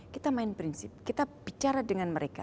kita main prinsip kita bicara dengan mereka